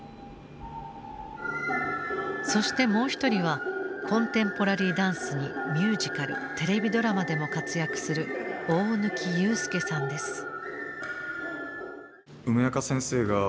そしてもう一人はコンテンポラリーダンスにミュージカルテレビドラマでも活躍する大貫勇輔さんです。